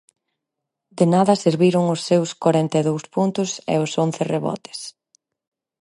De nada serviron os seus corenta e dous puntos e os once rebotes.